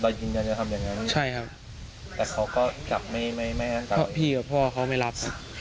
ได้ยินว่าจะทำอย่างนั้นใช่ครับพี่กับพ่อเขาไม่รับ